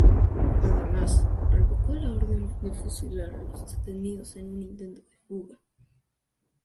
Además revocó la orden de fusilar a los detenidos en un intento de fuga.